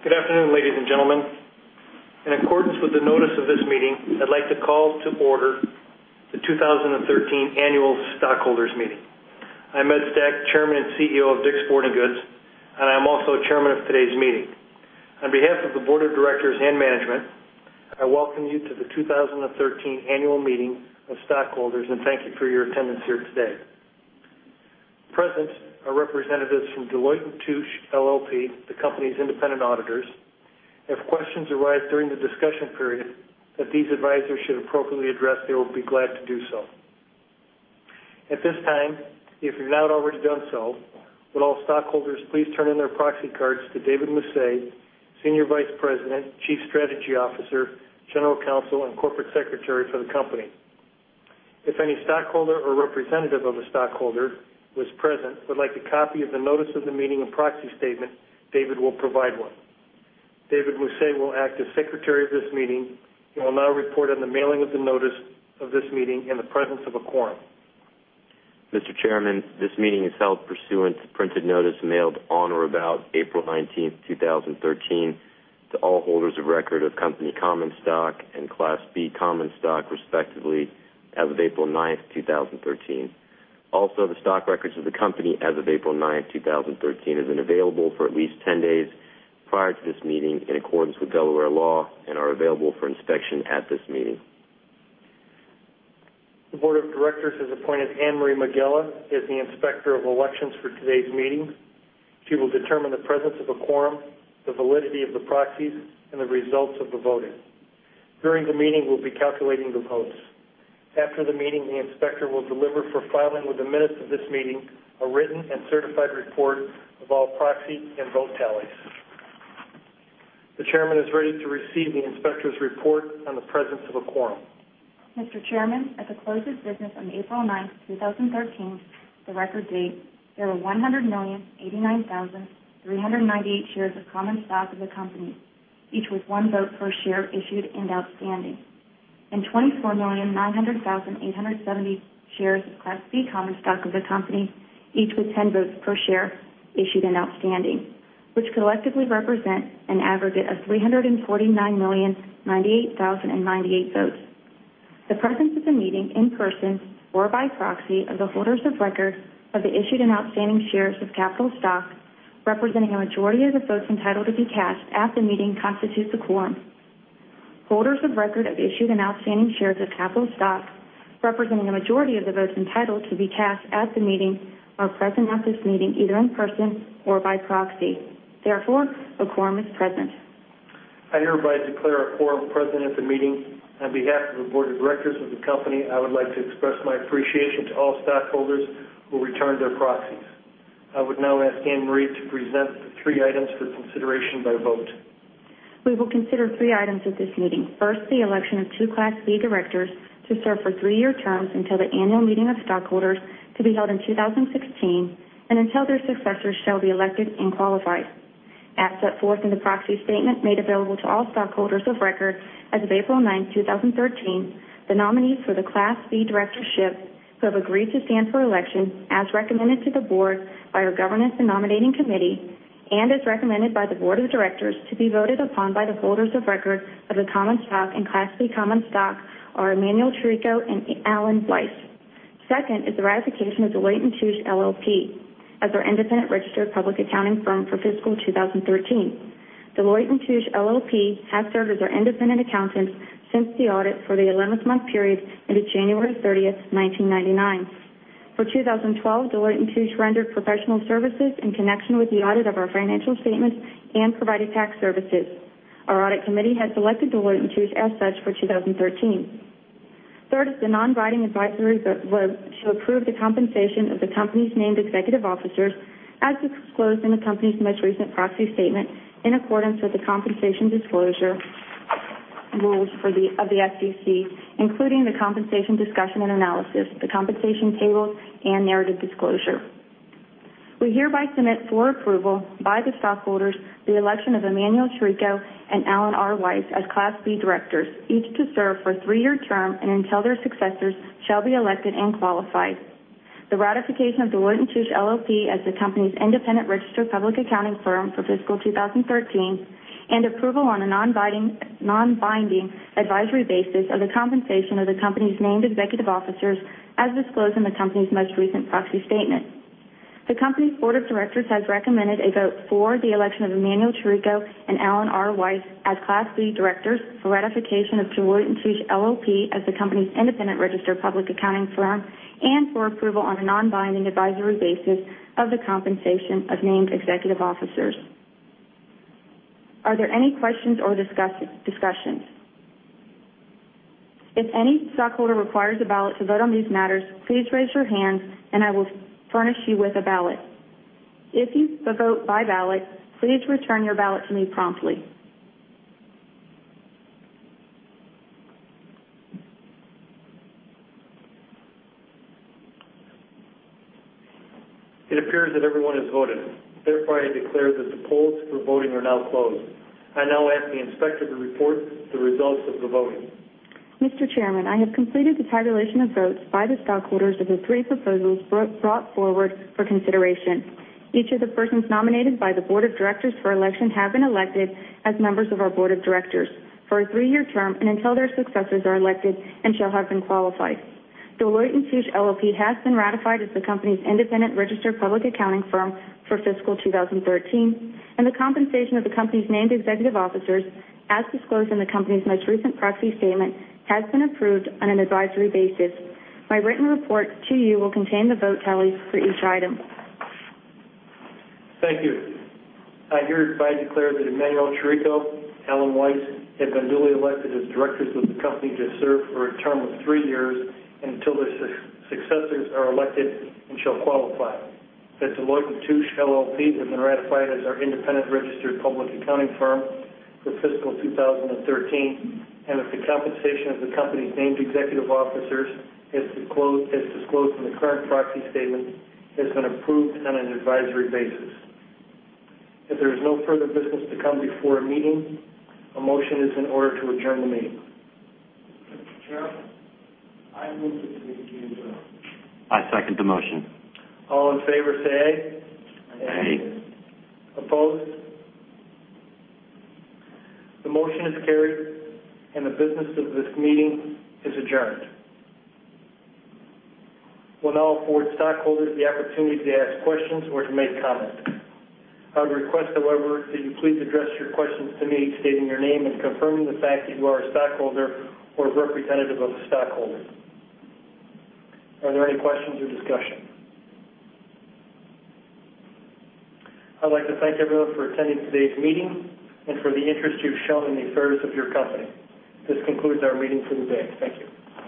Good afternoon, ladies and gentlemen. In accordance with the notice of this meeting, I'd like to call to order the 2013 Annual Stockholders Meeting. I'm Ed Stack, Chairman and CEO of DICK'S Sporting Goods, and I am also Chairman of today's meeting. On behalf of the Board of Directors and management, I welcome you to the 2013 Annual Meeting of Stockholders and thank you for your attendance here today. Present are representatives from Deloitte & Touche LLP, the company's independent auditors. If questions arise during the discussion period that these advisors should appropriately address, they will be glad to do so. At this time, if you've not already done so, would all stockholders please turn in their proxy cards to David Moussallem, Senior Vice President, Chief Strategy Officer, General Counsel, and Corporate Secretary for the company. If any stockholder or representative of a stockholder who is present would like a copy of the notice of the meeting and proxy statement, David will provide one. David Moussallem will act as Secretary of this meeting. He will now report on the mailing of the notice of this meeting and the presence of a quorum. Mr. Chairman, this meeting is held pursuant to printed notice mailed on or about April 19th, 2013, to all holders of record of company common stock and Class B common stock, respectively, as of April 9th, 2013. Also, the stock records of the company as of April 9th, 2013, have been available for at least 10 days prior to this meeting in accordance with Delaware law and are available for inspection at this meeting. The Board of Directors has appointed Anne-Marie Megela as the Inspector of Elections for today's meeting. She will determine the presence of a quorum, the validity of the proxies, and the results of the voting. During the meeting, we'll be calculating the votes. After the meeting, the inspector will deliver for filing with the minutes of this meeting, a written and certified report of all proxy and vote tallies. The chairman is ready to receive the inspector's report on the presence of a quorum. Mr. Chairman, at the close of business on April 9th, 2013, the record date, there were 100,089,398 shares of common stock of the company, each with one vote per share issued and outstanding, and 24,900,870 shares of Class B common stock of the company, each with 10 votes per share issued and outstanding, which collectively represent an aggregate of 349,098,098 votes. The presence at the meeting in person or by proxy of the holders of record of the issued and outstanding shares of capital stock representing a majority of the votes entitled to be cast at the meeting constitutes a quorum. Holders of record of issued and outstanding shares of capital stock representing a majority of the votes entitled to be cast at the meeting are present at this meeting, either in person or by proxy. Therefore, a quorum is present. I hereby declare a quorum present at the meeting. On behalf of the Board of Directors of the company, I would like to express my appreciation to all stockholders who returned their proxies. I would now ask Anne-Marie to present the three items for consideration by vote. We will consider three items at this meeting. First, the election of two Class B directors to serve for three-year terms until the annual meeting of stockholders to be held in 2016 and until their successors shall be elected and qualified. As set forth in the proxy statement made available to all stockholders of record as of April 9th, 2013, the nominees for the Class B directorship who have agreed to stand for election as recommended to the board by our governance and nominating committee and as recommended by the Board of Directors to be voted upon by the holders of record of the common stock and Class B common stock are Emanuel Chirico and Allen Weiss. Second is the ratification of Deloitte & Touche LLP as our independent registered public accounting firm for fiscal 2013. Deloitte & Touche LLP has served as our independent accountants since the audit for the 11th-month period ended January 30th, 1999. For 2012, Deloitte & Touche rendered professional services in connection with the audit of our financial statements and provided tax services. Our audit committee has elected Deloitte & Touche as such for 2013. Third is the non-binding advisory vote to approve the compensation of the company's named executive officers as disclosed in the company's most recent proxy statement in accordance with the compensation disclosure rules of the SEC, including the compensation discussion and analysis, the compensation tables, and narrative disclosure. We hereby submit for approval by the stockholders the election of Emanuel Chirico and Allen R. Weiss as Class B directors, each to serve for a three-year term and until their successors shall be elected and qualified, the ratification of Deloitte & Touche LLP as the company's independent registered public accounting firm for fiscal 2013, and approval on a non-binding advisory basis of the compensation of the company's named executive officers as disclosed in the company's most recent proxy statement. The company's Board of Directors has recommended a vote for the election of Emanuel Chirico and Allen R. Weiss as Class B directors, for ratification of Deloitte & Touche LLP as the company's independent registered public accounting firm, and for approval on a non-binding advisory basis of the compensation of named executive officers. Are there any questions or discussions? If any stockholder requires a ballot to vote on these matters, please raise your hand and I will furnish you with a ballot. If you vote by ballot, please return your ballot to me promptly. It appears that everyone has voted. Therefore, I declare that the polls for voting are now closed. I now ask the inspector to report the results of the voting. Mr. Chairman, I have completed the tabulation of votes by the stockholders of the three proposals brought forward for consideration. Each of the persons nominated by the board of directors for election have been elected as members of our board of directors for a three-year term and until their successors are elected and shall have been qualified. Deloitte & Touche LLP has been ratified as the company's independent registered public accounting firm for fiscal 2013, and the compensation of the company's named executive officers, as disclosed in the company's most recent proxy statement, has been approved on an advisory basis. My written report to you will contain the vote tallies for each item. Thank you. I hereby declare that Emanuel Chirico, Allen Weiss, have been duly elected as directors of the company to serve for a term of three years until their successors are elected and shall qualify. That Deloitte & Touche LLP has been ratified as our independent registered public accounting firm for fiscal 2013, and that the compensation of the company's named executive officers, as disclosed in the current proxy statement, has been approved on an advisory basis. If there is no further business to come before the meeting, a motion is in order to adjourn the meeting. Mr. Chairman, I move that we adjourn the meeting. I second the motion. All in favor say, "Aye. Aye. Opposed? The motion is carried, and the business of this meeting is adjourned. We'll now afford stockholders the opportunity to ask questions or to make comments. I would request, however, that you please address your questions to me, stating your name and confirming the fact that you are a stockholder or a representative of a stockholder. Are there any questions or discussion? I'd like to thank everyone for attending today's meeting and for the interest you've shown in the affairs of your company. This concludes our meeting for today. Thank you.